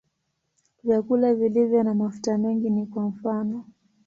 Vyakula vilivyo na mafuta mengi ni kwa mfano.